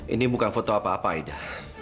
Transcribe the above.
ini bukan foto apa apa ida